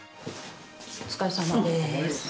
お疲れさまです。